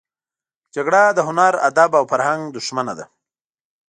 جګړه د هنر، ادب او فرهنګ دښمنه ده